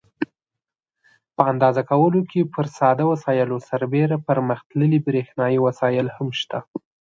په اندازه کولو کې پر ساده وسایلو سربیره پرمختللي برېښنایي وسایل هم شته.